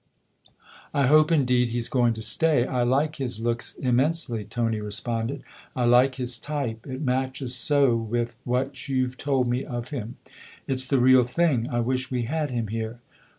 "I hope indeed he's going to stay. I like his looks immensely," Tony responded. " I like his type ; it matches so with what you've told me of him. It's the real thing I wish we had him here."